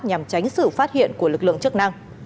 nhằm tránh sự phát hiện của lực lượng chức năng